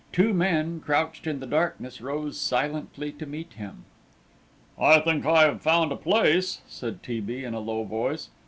Two men, crouched in the darkness, rose silently to meet him. "I think I have found a place," said T. B., in a low voice.